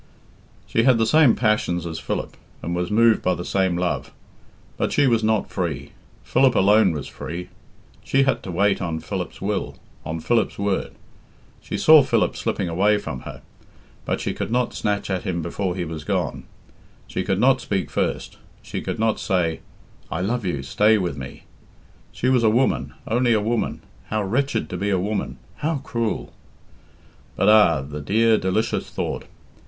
She had the same passions as Philip, and was moved by the same love. But she was not free. Philip alone was free. She had to wait on Philip's will, on Philip's word. She saw Philip slipping away from her, but she could not snatch at him before he was gone; she could not speak first; she could not say, "I love you; stay with me!" She was a woman, only a woman! How wretched to be a woman! How cruel! But ah! the dear delicious thought!